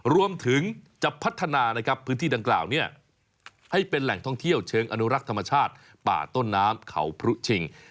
รวมถึงจะพัฒนานะครับพื้นที่ดังกล่าวให้เป็นแหล่งท่องเที่ยวเชิงอนุรักษ์ธรรมชาติป่าต้นน้ำเขาพรุชิง